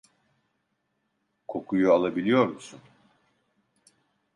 Kokuyu alabiliyor musun?